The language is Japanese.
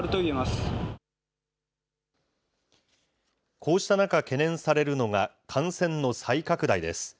こうした中、懸念されるのが、感染の再拡大です。